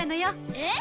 えっ？